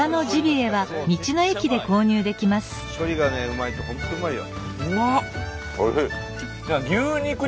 処理がねうまいと本当うまいよ。